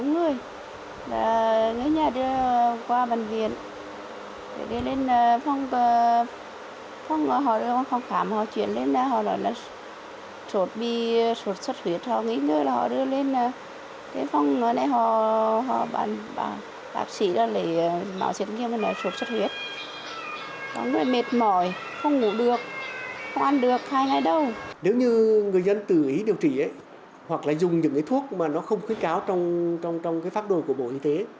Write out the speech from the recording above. nếu như người dân tự ý điều trị hoặc là dùng những thuốc mà nó không khuyến cáo trong pháp đồ của bộ y tế